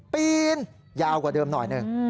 ปีนยาวกว่าเดิมหน่อยหนึ่ง